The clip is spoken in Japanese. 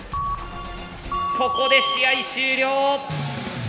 ここで試合終了。